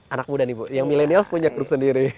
anak muda nih bu yang milenials punya grup sendiri